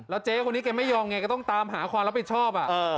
เจ๊คนนี้แกไม่ยอมไงก็ต้องตามหาความรับผิดชอบ